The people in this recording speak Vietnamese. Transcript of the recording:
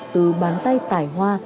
từ bán tay tài hoa